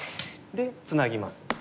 でツナぎます。